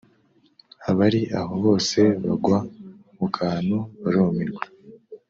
Abari aho bose bagwa mu kantu barumirwa